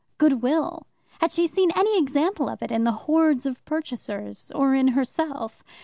Goodwill? Had she seen any example of it in the hordes of purchasers? Or in herself.